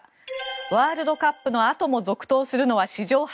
ワールドカップのあとも続投するのは史上初。